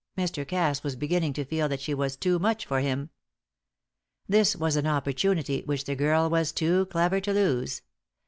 Mr. Cass was beginning to feel that she was too much for him. This was an opportunity which the girl was too clever to lose.